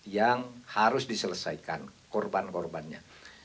yang harus diselesaikan korban korbannya